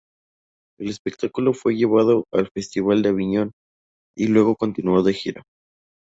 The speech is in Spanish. El espectáculo fue llevado al Festival de Aviñón y luego continuó de gira.